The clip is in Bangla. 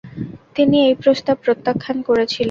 তিনি এই প্রস্তাব প্রত্যাখ্যান করেছিলেন।